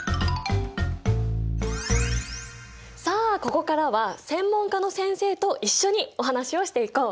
さあここからは専門家の先生と一緒にお話をしていこう。